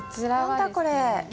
何だこれ？